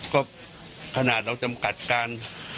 ก็ขนาดเราจำกัดการ